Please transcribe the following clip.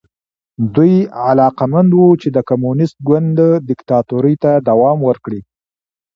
دوی علاقمند وو چې د کمونېست ګوند دیکتاتورۍ ته دوام ورکړي.